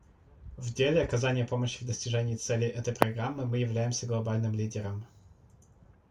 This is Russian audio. В деле оказания помощи в достижении целей этой Программы мы являемся глобальным лидером.